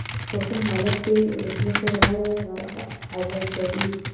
په کوم حالت کې ولسمشر غړی عزل کوي؟